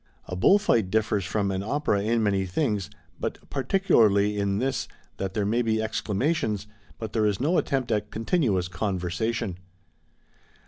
A bull fight differs from an opera in many things, but particularly in this, that there may be exclamations, but there is no attempt at continuous conversation.